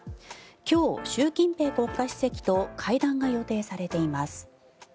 今日、習近平国家主席と会談が予定されています。